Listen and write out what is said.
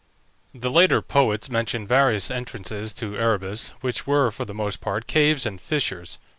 The later poets mention various entrances to Erebus, which were for the most part caves and fissures.